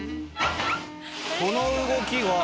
この動きは。